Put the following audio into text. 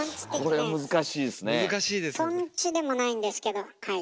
とんちでもないんですけどはい。